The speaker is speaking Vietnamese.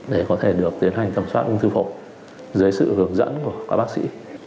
để có thể được tiến hành tầm soát ung thư phổi dưới sự hướng dẫn của các bác sĩ